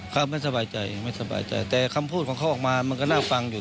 เขาไม่สบายใจไม่สบายใจแต่คำพูดของเขาออกมามันก็น่าฟังอยู่